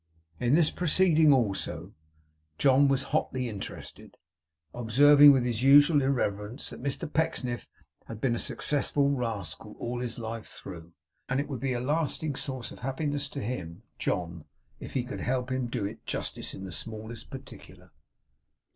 In this proceeding also, John was hotly interested; observing, with his usual irreverance, that Mr Pecksniff had been a successful rascal all his life through, and that it would be a lasting source of happiness to him (John) if he could help to do him justice in the smallest particular.